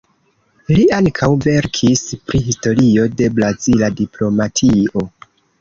Li ankaŭ verkis pri historio de brazila diplomatio.